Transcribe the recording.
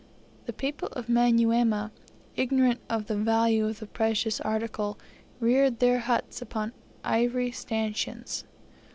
The people of Manyuema, ignorant of the value of the precious article, reared their huts upon ivory stanchions.